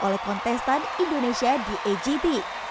oleh kontestan indonesia di agp